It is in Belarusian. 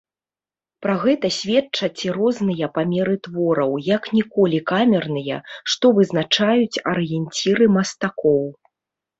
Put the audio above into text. Пра гэта сведчаць і розныя памеры твораў, як ніколі камерныя, што вызначаюць арыенціры мастакоў.